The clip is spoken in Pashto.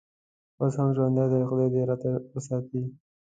اوس هم ژوندی دی، خدای دې راته وساتي.